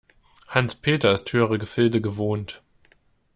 Hans-Peter ist höhere Gefilde gewohnt.